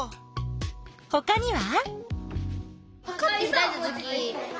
ほかには？